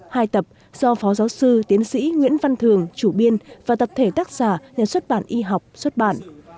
hai tập do phó giáo sư tiến sĩ nguyễn văn thường chủ biên và tập thể tác giả nhà xuất bản y học xuất bản